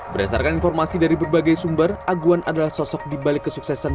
berdasarkan informasi dari berbagai sumber aguan adalah sosok dibalik kesuksesan